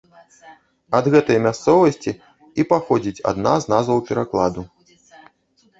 Ад гэтай мясцовасці і паходзіць адна з назваў перакладу.